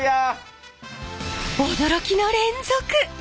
驚きの連続！